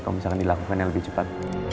kalau misalkan dilakukan yang lebih cepat